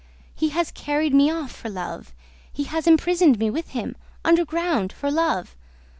He has carried me off for love! ... He has imprisoned me with him, underground, for love!